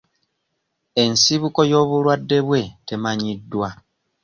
Ensibuko y'obulwadde bwe temanyiddwa.